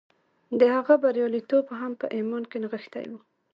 د هغه بریالیتوب هم په ایمان کې نغښتی و